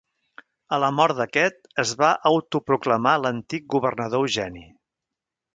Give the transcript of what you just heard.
A la mort d'aquest es va autoproclamar, l'antic governador Eugeni.